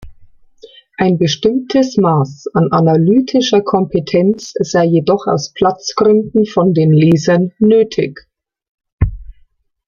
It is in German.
Ein bestimmtes Maß an analytischer Kompetenz sei jedoch aus Platzgründen von den Lesern nötig.